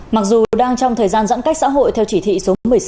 mặc dù đang trong thời gian giãn cách xã hội theo chỉ thị số một mươi sáu